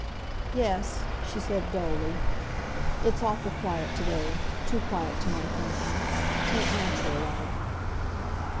"Yes," she said dully. "It's awful quiet to day—too quiet to my thinking. 'Tain't natural like."